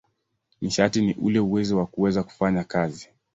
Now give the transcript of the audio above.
Nishati ni ule uwezo wa kuweza kufanya kazi.